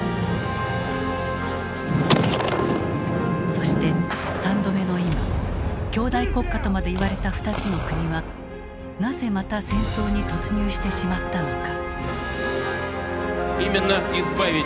そして３度目の今兄弟国家とまで言われた２つの国はなぜまた戦争に突入してしまったのか。